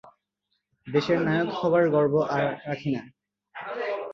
দেশের নায়ক হবার গর্ব আর রাখি নে।